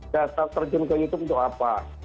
dasar terjun ke youtube itu apa